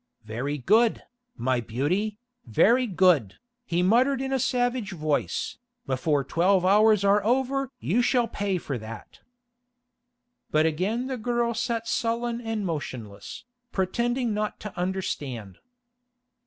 "Very good, my beauty, very good," he muttered in a savage voice, "before twelve hours are over you shall pay for that." But again the girl sat sullen and motionless, pretending not to understand.